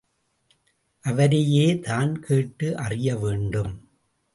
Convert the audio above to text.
அவரையேதான் கேட்டு அறியவேண்டும்.